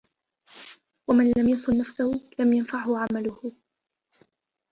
وَمَنْ لَمْ يَصُنْ نَفْسَهُ لَمْ يَنْفَعْهُ عَمَلُهُ